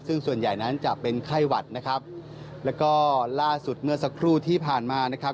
ซึ่งส่วนใหญ่นั้นจะเป็นไข้หวัดนะครับแล้วก็ล่าสุดเมื่อสักครู่ที่ผ่านมานะครับ